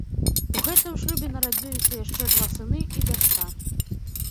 У гэтым шлюбе нарадзіліся яшчэ два сыны і дачка.